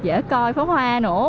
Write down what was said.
dễ coi pháo hoa nữa